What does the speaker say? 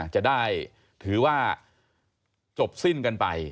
จะได้ถือว่าจบสิ้นกันไป